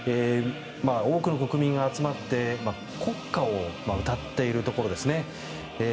多くの国民が集まって国歌を歌っているところですね。